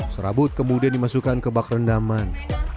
serabut kemudian dimasukkan ke bak rendaman